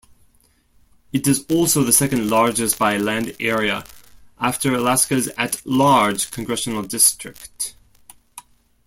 It is also the second-largest by land area, after Alaska's at-large congressional district.